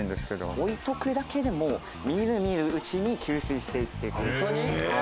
置いとくだけで、みるみるうちに吸水していってくれる。